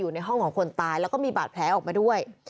อยู่ในห้องของคนตายแล้วก็มีบาดแผลออกมาด้วย